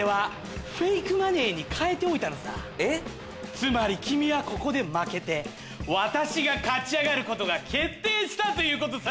つまり君はここで負けて私が勝ち上がることが決定したということさ。